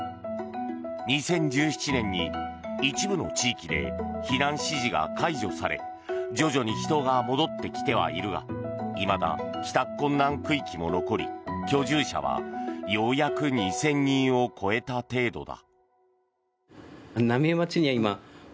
２０１７年に一部の地域で避難指示が解除され徐々に人が戻ってきてはいるがいまだ帰宅困難区域も残り居住者はようやく２０００人を超えた程度だ。